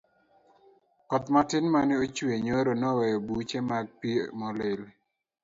koth matin mane ochwe nyoro noweyo buche mag pi molil